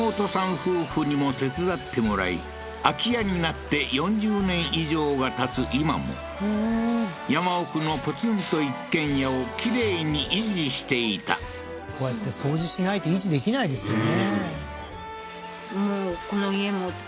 夫婦にも手伝ってもらい空き家になって４０年以上がたつ今も山奥のポツンと一軒家をきれいに維持していたこうやって掃除しないと維持できないですよね